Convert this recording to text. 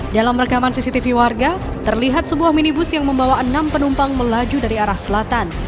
dalam rekaman cctv warga terlihat sebuah minibus yang membawa enam penumpang melaju dari arah selatan